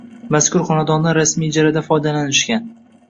Mazkur xonadondan rasmiy ijarada foydalanishgan.